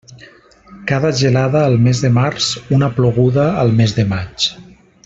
Cada gelada al mes de març, una ploguda al mes de maig.